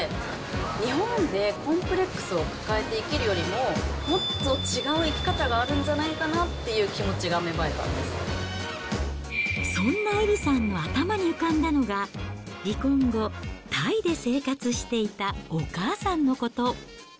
日本でコンプレックスを抱えて生きるよりも、もっと違う生き方があるんじゃないかなっていう気持ちが芽生えたそんなエリさんの頭に浮かんだのが、離婚後、タイで生活していたお母さんのこと。